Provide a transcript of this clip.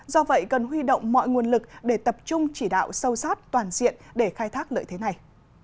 do vậy cần huy động mọi nguồn lực để tập trung chỉ đạo sâu sát toàn diện để khai thác lợi thế này